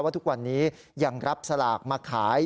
ทุกวันนี้ยังรับสลากมาขาย